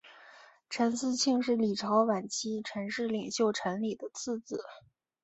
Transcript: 陈嗣庆是李朝晚期陈氏领袖陈李的次子。